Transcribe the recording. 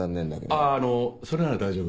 あぁあのそれなら大丈夫。